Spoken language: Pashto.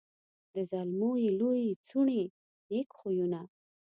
د زلمو یې لويي څوڼي نېک خویونه